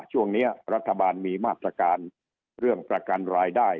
ช่วงนี้รัฐบาลมีมาตรการเรื่องประกันรายได้